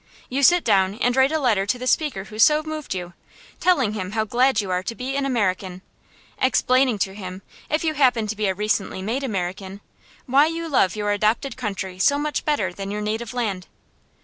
You sit down and write a letter to the speaker who so moved you, telling him how glad you are to be an American, explaining to him, if you happen to be a recently made American, why you love your adopted country so much better than your native land.